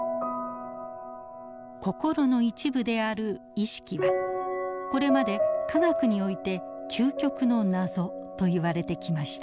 心の一部である意識はこれまで科学において究極の謎といわれてきました。